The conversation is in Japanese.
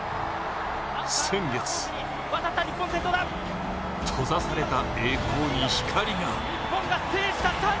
先月閉ざされた栄光に光が。